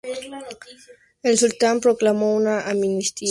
El sultán proclamó una amnistía para los rebeldes.